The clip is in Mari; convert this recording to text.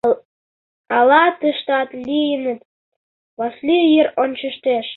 — Ала тыштат лийыныт, — Васлий йыр ончыштеш.